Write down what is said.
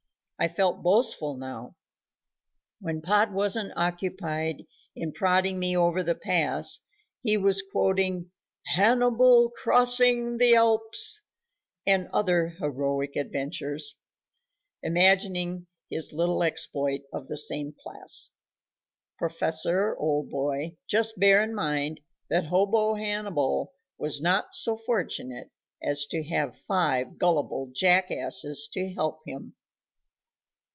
I felt boastful now. When Pod wasn't occupied in prodding me over the pass he was quoting "Hannibal Crossing the Alps" and other heroic adventurers, imagining his little exploit of the same class. Prof., old boy, just bear in mind that hobo Hannibal was not so fortunate as to have five gullible jackasses to help him.